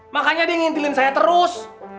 makanya dia ngintilin saya terus